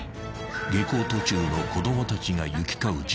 ［下校途中の子供たちが行き交う時間帯］